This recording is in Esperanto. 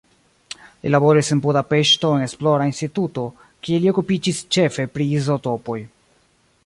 Li laboris en Budapeŝto en esplora instituto, kie li okupiĝis ĉefe pri izotopoj.